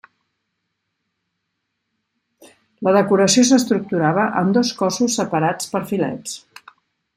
La decoració s'estructurava en dos cossos separats per filets.